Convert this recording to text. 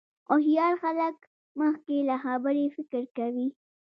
هوښیار خلک مخکې له خبرې فکر کوي.